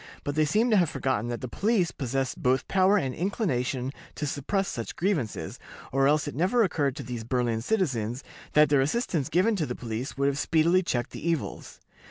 But they seem to have forgotten that the police possessed both power and inclination to suppress such grievances, or else it never occurred to these "Berlin citizens" that their assistance given to the police would have speedily checked the evils.